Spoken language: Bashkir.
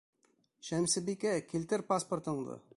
Шәмсебикә, килтер паспортыңды!